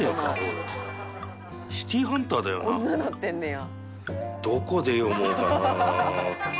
「こんなんなってんねや」